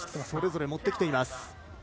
それぞれ技を持ってきています。